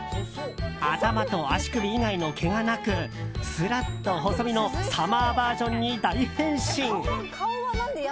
頭と足首以外の毛がなくすらっと細毛のサマーバージョンに大変身。